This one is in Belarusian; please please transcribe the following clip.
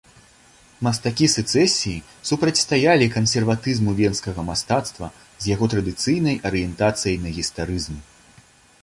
Мастакі сэцэсіі супрацьстаялі кансерватызму венскага мастацтва з яго традыцыйнай арыентацыяй на гістарызм.